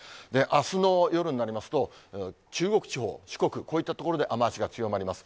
あすの夜になりますと、中国地方、四国、こういった所で雨足が強まります。